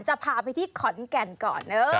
จะพาไปที่ขอนแก่นก่อน